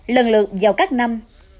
lần lượt vào các năm